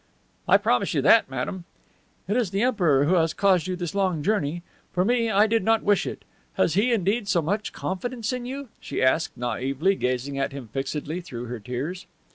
"I promise you that, madame." "It is the Emperor who has caused you this long journey. For me, I did not wish it. Has he, indeed, so much confidence in you?" she asked naively, gazing at him fixedly through her tears.